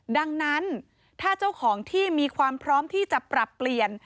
ดังนั้นถ้าเจ้าของที่มีความพร้อมที่จะปรับเปลี่ยน